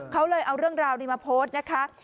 เขาเลยเอาเรื่องราวนี้มาโพสต์นะคะ